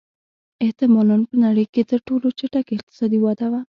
احتمالًا په نړۍ کې تر ټولو چټکه اقتصادي وده وه.